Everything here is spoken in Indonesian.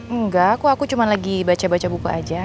enggak aku aku cuma lagi baca baca buku aja